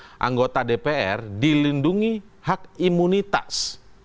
karena anggota dpr dilindungi hak imunitas